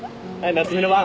夏海の番。